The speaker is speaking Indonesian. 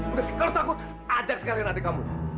udah kalau takut ajak sekalian adik kamu